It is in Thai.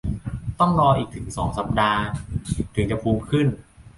ต้องรออีกถึงสองสัปดาห์ ถึงจะภูมิขึ้น